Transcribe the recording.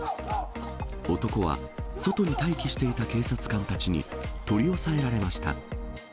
男は外に待機していた警察官たちに取り押さえられました。